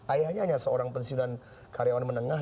ayahnya hanya seorang pensiunan karyawan menengah